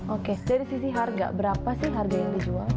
oke dari sisi harga berapa sih harga yang dijual